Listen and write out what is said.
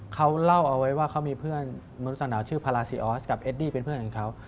เขาเล่าเอาไว้ว่าเขามีเพื่อนมนุษย์สาวชื่อพาราซีออสกับเอดดี้เป็นเพื่อนของเขา